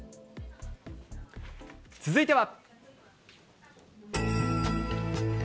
続いては。